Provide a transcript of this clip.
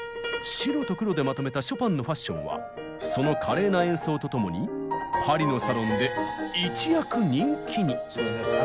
白と黒でまとめたショパンのファッションはその華麗な演奏と共にパリのサロンで一躍人気に。